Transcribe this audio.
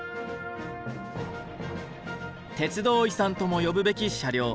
鉄道遺産とも呼ぶべき車両。